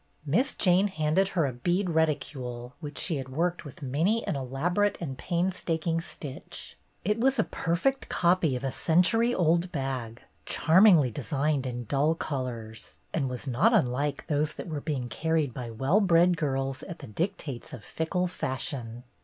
Miss Jane handed her a bead reticule which she had worked with many an elaborate and painstaking stitch. It was a perfect copy of a century old bag, charmingly designed in dull colors, and was not unlike those that were being carried by well bred girls at the dictates of fickle fashion.